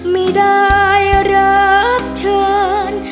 ไม่ได้รับเชิญ